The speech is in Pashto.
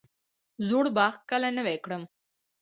زوړ باغ کله نوی کړم؟